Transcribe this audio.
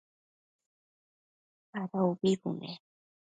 Ada ubi bune?